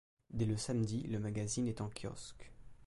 Dès le samedi, le magazine est en kiosque.